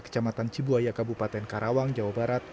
kecamatan cibuaya kabupaten karawang jawa barat